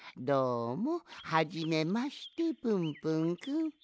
どうもはじめましてぷんぷんくん。